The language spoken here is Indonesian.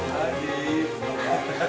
males banget ya